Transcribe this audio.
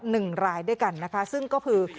หนึ่งรายด้วยกันนะคะซึ่งก็คือ